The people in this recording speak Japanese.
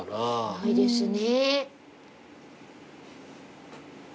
ないですね。